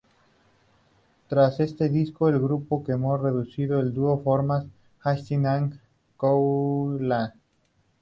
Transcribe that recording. Tras este disco, el grupo quedó reducido al dúo formado por Hastings and Coughlan.